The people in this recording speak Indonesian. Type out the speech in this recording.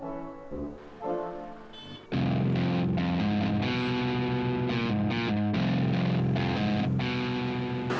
teman lama tuh